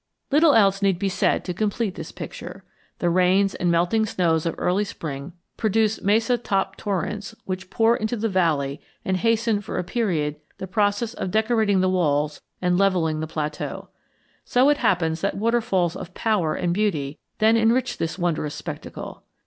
Little else need be said to complete this picture. The rains and melting snows of early spring produce mesa top torrents which pour into the valley and hasten for a period the processes of decorating the walls and levelling the plateau. So it happens that waterfalls of power and beauty then enrich this wondrous spectacle.